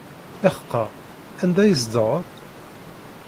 Iḥeqqa, anda ay tzedɣeḍ?